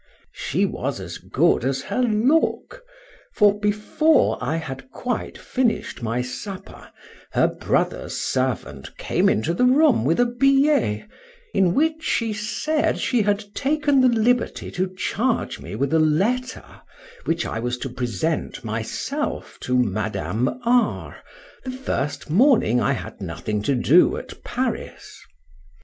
She was as good as her look; for, before I had quite finished my supper, her brother's servant came into the room with a billet, in which she said she had taken the liberty to charge me with a letter, which I was to present myself to Madame R— the first morning I had nothing to do at Paris.